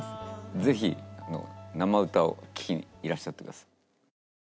ぜひ生歌を聴きにいらっしゃってください。